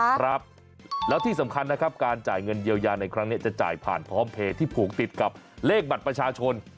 ครับแล้วที่สำคัญนะครับการจ่ายเงินเยียวยาในครั้งนี้จะจ่ายผ่านพร้อมเพจที่ผูกติดกับเลขบัตรประชาชน